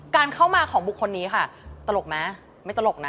การเข้ามาของบุคคลนี้ค่ะตลกไหมไม่ตลกนะ